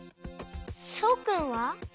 そうくんは？